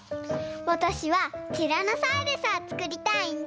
わたしはティラノサウルスをつくりたいんだ！